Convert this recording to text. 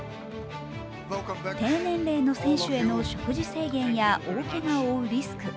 低年齢の選手への食事制限や大けがを負うリスク